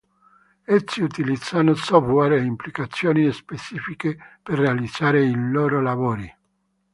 Essi utilizzano software e applicazioni specifiche per realizzare i loro lavori.